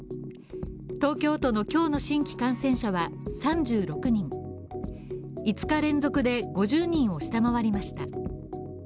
東京都の今日の新規感染者は３６人５日連続で５０人を下回りました。